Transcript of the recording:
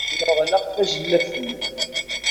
Neɣleq tajellabt-nni.